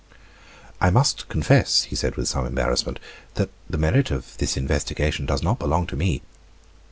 "I must confess," he said with some embarrassment, "that the merit of this investigation does not belong to me."